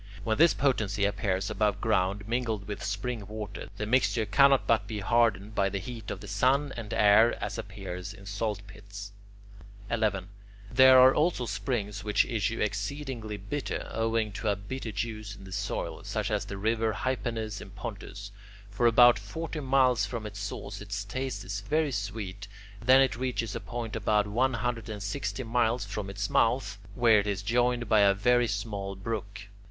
When this potency appears above ground mingled with spring water, the mixture cannot but be hardened by the heat of the sun and air, as appears in salt pits. 11. There are also springs which issue exceedingly bitter, owing to a bitter juice in the soil, such as the river Hypanis in Pontus. For about forty miles from its source its taste is very sweet; then it reaches a point about one hundred and sixty miles from its mouth, where it is joined by a very small brook.